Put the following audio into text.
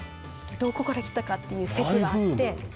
どこから来たかっていう説があって「マイブーム」